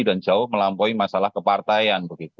dan jauh melampaui masalah kepartaian